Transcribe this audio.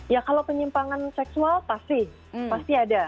ya kalau penyimpangan seksual pasti pasti ada